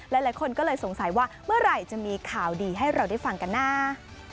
หลายคนก็เลยสงสัยว่าเมื่อไหร่จะมีข่าวดีให้เราได้ฟังกันนะ